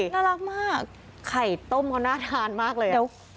น่ารักมากไข่ต้มเขาน่าทานมากเลย